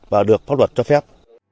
và được pháp luật cho phép